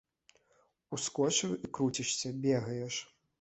Ускочыў і круцішся, бегаеш.